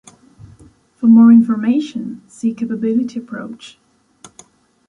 For more information, see capability approach.